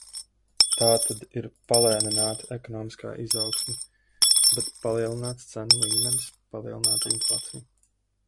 Tātad ir palēnināta ekonomiskā izaugsme, bet palielināts cenu līmenis, palielināta inflācija.